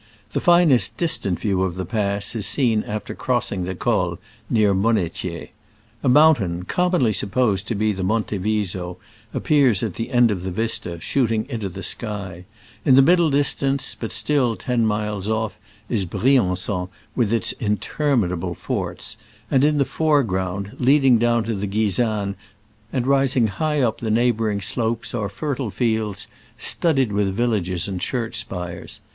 The finest distant view of the pass is seen after crossing the col, near Monetier. A mountain, commonly supposed to be Monte Viso, appears at the end of the vista, shooting into the sky : in the middle distance, but still ten miles off, is Brian^on with its interminable forts, and in the foreground, leading down to the Guisane and rising high up the neighboring slopes, are fertile fields, studded with villages and church spires.